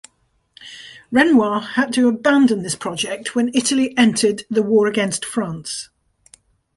Renoir had to abandon this project when Italy entered the war against France.